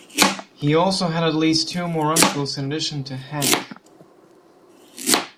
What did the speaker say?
He also had at least two more uncles in addition to Hank.